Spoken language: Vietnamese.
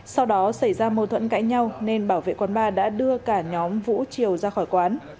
sau đó xảy ra mâu thuẫn cãi nhau nên bảo vệ quán bar đã đưa cả nhóm vũ chiều ra khỏi quán